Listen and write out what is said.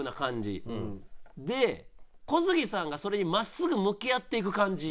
で小杉さんがそれに真っすぐ向き合っていく感じ。